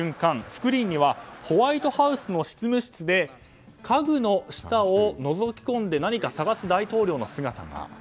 スクリーンにはホワイトハウスの執務室で家具の下をのぞき込んで何か探す大統領の姿が。